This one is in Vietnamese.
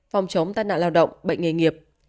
phòng chống tai nạn lao động bệnh nghề nghiệp